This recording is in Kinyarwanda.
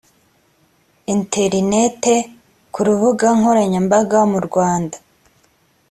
interinete ku rubuga nkoranyambaga murwanda